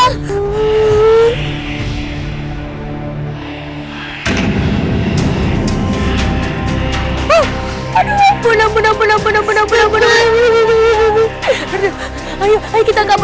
huu aduh ampun ampun ampun ampun ampun ampun ampun ampun